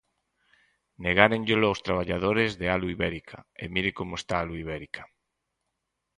Negáronllelo aos traballadores de Alu Ibérica, e mire como está Alu Ibérica.